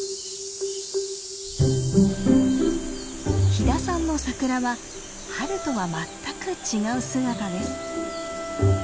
飛田さんのサクラは春とは全く違う姿です。